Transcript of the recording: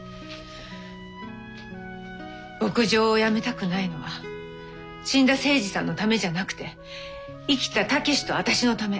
牧場をやめたくないのは死んだ精二さんのためじゃなくて生きた武志と私のため。